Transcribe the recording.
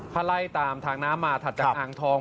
ถ้าไล่ตามทางน้ำมาถัดจากอ่างทอง